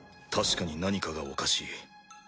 確かに何かがおかしい。